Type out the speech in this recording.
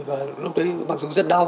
và lúc đấy bằng dung rất đau